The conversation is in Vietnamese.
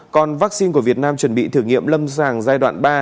còn vaccine của việt nam chuẩn bị thử nghiệm lâm sàng giai đoạn ba